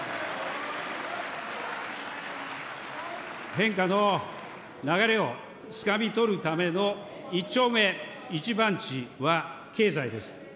変化の流れをつかみ取るための一丁目一番地は経済です。